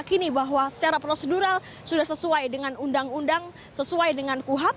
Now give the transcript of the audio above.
kini bahwa secara prosedural sudah sesuai dengan undang undang sesuai dengan kuhap